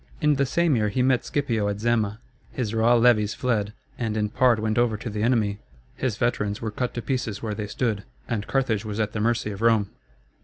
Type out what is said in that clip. In the same year he met Scipio at Zama; his raw levies fled, and in part went over to the enemy; his veterans were cut to pieces where they stood, and Carthage was at the mercy of Rome.